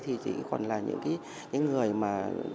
thì chị còn là những cái người mà